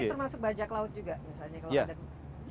ini termasuk bajak laut juga misalnya